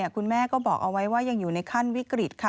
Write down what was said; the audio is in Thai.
คุณแม่ก็บอกเอาไว้ว่ายังอยู่ในขั้นวิกฤตค่ะ